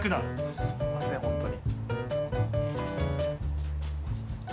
すみません、本当に。